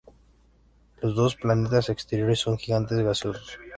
Los dos planetas exteriores son gigantes gaseosos.